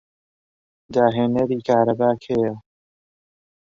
داهێنەری کارەبا کێیە؟